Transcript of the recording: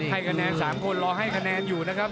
ให้คะแนน๓คนรอให้คะแนนอยู่นะครับ